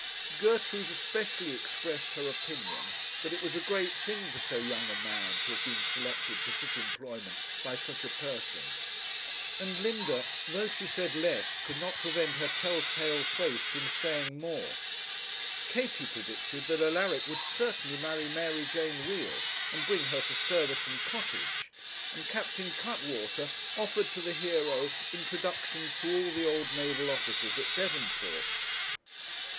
Gertrude especially expressed her opinion that it was a great thing for so young a man to have been selected for such employment by such a person; and Linda, though she said less, could not prevent her tell tale face from saying more. Katie predicted that Alaric would certainly marry Mary Jane Wheal, and bring her to Surbiton Cottage, and Captain Cuttwater offered to the hero introductions to all the old naval officers at Devonport.